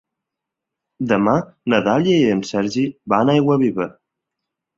Demà na Dàlia i en Sergi van a Aiguaviva.